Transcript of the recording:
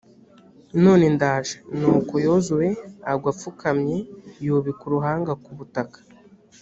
none ndaje.» nuko yozuwe agwa apfukamye, yubika uruhanga ku butaka.